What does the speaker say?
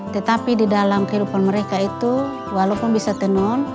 tetapi di dalam kehidupan mereka itu walaupun bisa tenun